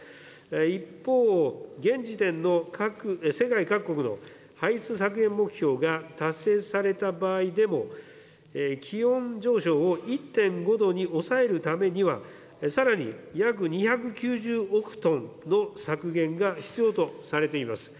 一方、現時点の世界各国の排出削減目標が達成された場合でも、気温上昇を１．５度に抑えるためには、さらに約２９０億トンの削減が必要とされています。